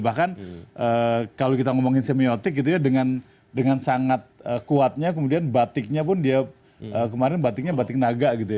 bahkan kalau kita ngomongin semiotik gitu ya dengan sangat kuatnya kemudian batiknya pun dia kemarin batiknya batik naga gitu ya